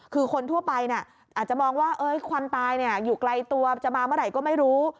คือคนทั่วไปอาจจะมองว่าความตายอยู่ไกลตัวจะมาเมื่อไหร่ก็ไม่รู้